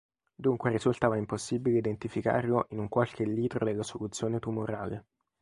Dunque risultava impossibile identificarlo in un qualche litro della soluzione tumorale.